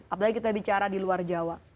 apalagi kita bicara di luar jawa